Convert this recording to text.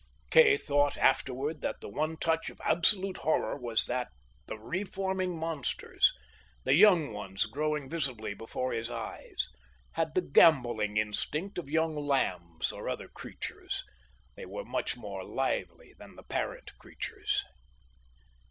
Kay thought afterward that the one touch of absolute horror was that the reforming monsters, the young ones growing visibly before his eyes, had the gamboling instinct of young lambs or other creatures. They were much more lively than the parent creatures.